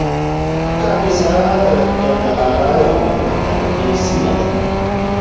کاپیسا د ګندهارا یوه مهمه تاریخي سیمه وه